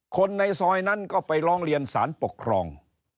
คนในซอยนั้นก็ไปร้องเรียนสารปกครอง